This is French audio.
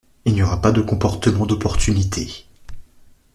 Il n’y aura pas de comportement d’opportunité.